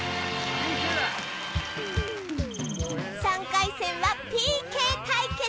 ３回戦はＰＫ対決